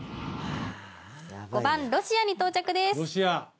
５番ロシアに到着です